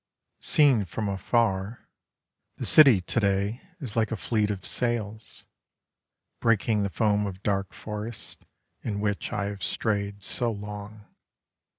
Seen from afar, the city To day is like a fleet of sails: Breaking the foam of dark forests, In which I have strayed so long.